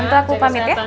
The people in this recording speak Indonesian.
tentu aku pamit ya